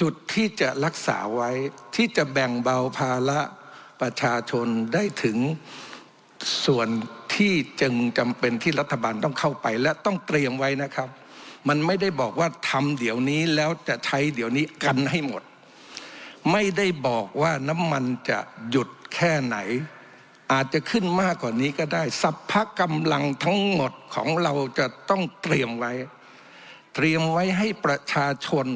จุดที่จะรักษาไว้ที่จะแบ่งเบาภาระประชาชนได้ถึงส่วนที่จึงจำเป็นที่รัฐบาลต้องเข้าไปและต้องเตรียมไว้นะครับมันไม่ได้บอกว่าทำเดี๋ยวนี้แล้วจะใช้เดี๋ยวนี้กันให้หมดไม่ได้บอกว่าน้ำมันจะหยุดแค่ไหนอาจจะขึ้นมากกว่านี้ก็ได้สรรพกำลังทั้งหมดของเราจะต้องเตรียมไว้เตรียมไว้ให้ประชาชน